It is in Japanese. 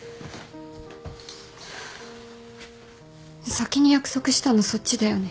先に約束したのそっちだよね。